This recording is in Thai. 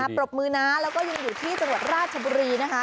ปรบมือนะแล้วก็ยังอยู่ที่จังหวัดราชบุรี